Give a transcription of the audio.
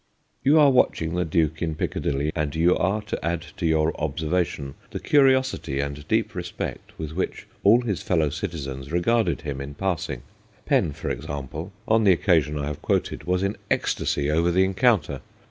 ... You are watching the Duke in Piccadilly, and you are to add to your observation the curiosity and deep respect with which all his fellow citizens regarded him in passing. Pen, for example, on the occasion I have quoted, was in ecstasy over the encounter.